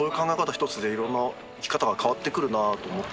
ひとつでいろんな生き方が変わってくるなと思って。